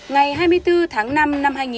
ngày hai mươi bốn tháng năm năm hai nghìn hai mươi